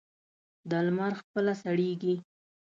د لمر خپله سړېږي.